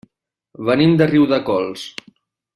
Venim de Riudecols.